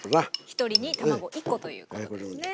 １人に卵１コということですね。